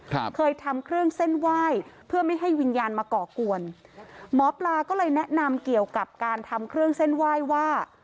ครับเคยทำเครื่องเส้นไหว้เพื่อไม่ให้วิญญาณมาก่อกวนหมอปลาก็เลยแนะนำเกี่ยวกับการทำเครื่องเส้นไหว้ว่า